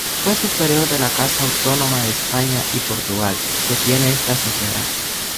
Fue superior de la casa autónoma de España y Portugal que tiene esta Sociedad.